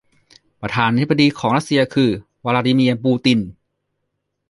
ประธานาธิบดีของรัสเซียคือ วลาดีมีร์ ปูติน